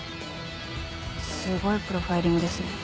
すごいプロファイリングですね。